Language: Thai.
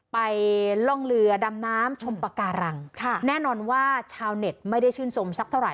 กล่องเรือดำน้ำชมปากการังค่ะแน่นอนว่าชาวเน็ตไม่ได้ชื่นชมสักเท่าไห